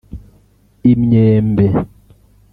imyembe